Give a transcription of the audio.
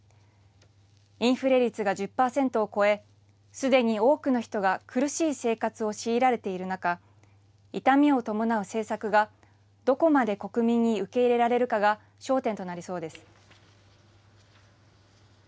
インフレ率が１０％を超え、すでに多くの人が苦しい生活を強いられている中、痛みを伴う政策がどこまで国民に受け入れられるかが焦点となりそうです。